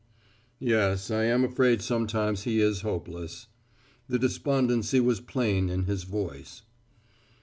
"Yes, I am afraid sometimes he is hopeless." The despondency was plain in his voice.